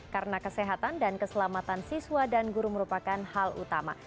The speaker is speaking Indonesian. karena kesehatan dan keselamatan siswa dan guru merupakan hal utama